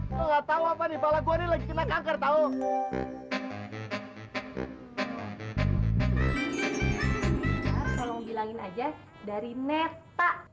lo nggak tau apa di bala gue ini lagi kena kanker tau